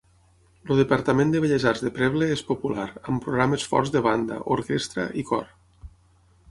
El departament de belles arts de Preble és popular, amb programes forts de banda, orquestra i cor.